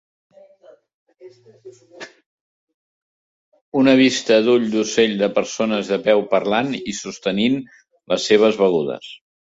Una vista d'ull d'ocell de persones de peu parlant i sostenint les seves begudes.